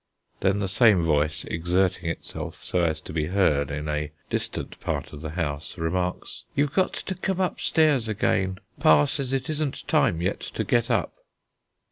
Then the same voice, exerting itself so as to be heard in a distant part of the house, remarks: "You've got to come upstairs again. Pa says it isn't time yet to get up."